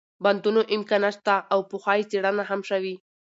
بندونو امكانات شته او پخوا يې څېړنه هم شوې